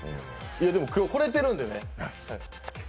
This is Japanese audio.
でも、今日、来れてるんでね。